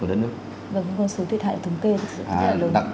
vâng những con số thiệt hại thống kê rất là nhiều